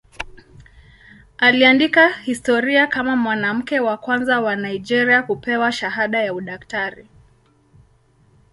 Aliandika historia kama mwanamke wa kwanza wa Nigeria kupewa shahada ya udaktari.